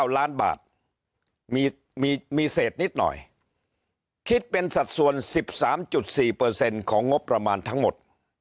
๑๑๙ล้านบาทมีเศษนิดหน่อยคิดเป็นสัดส่วน๑๓๔เปอร์เซ็นต์ของงบประมาณทั้งหมด